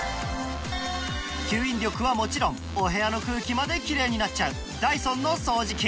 吸引力はもちろんお部屋の空気まできれいになっちゃうダイソンの掃除機